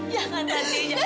jangan nanti jangan